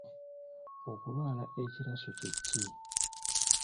Okulwala ekiraso kye ki?